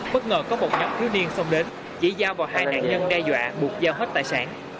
bất ngờ có một nhóm thiếu niên xông đến chỉ giao vào hai nạn nhân đe dọa buộc giao hết tài sản